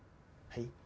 はい？